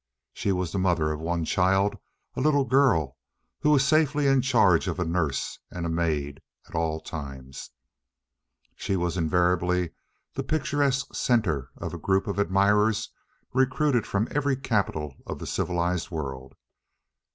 She was the mother of one child, a little girl, who was safely in charge of a nurse and maid at all times, and she was invariably the picturesque center of a group of admirers recruited from every capital of the civilized world.